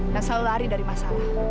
dan selalu lari dari masalah